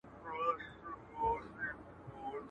لښکر که ډېر وي، بې سره هېر وي.